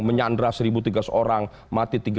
menyandra satu tiga ratus orang mati